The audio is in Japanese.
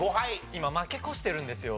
今負け越してるんですよ。